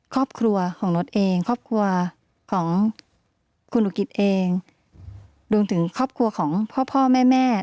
ครอบครัวของโน๊ตเองครอบครัวของคุณอุกิตเองรวมถึงครอบครัวของพ่อแม่แม่